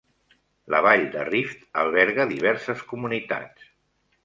La vall de Rift alberga diverses comunitats.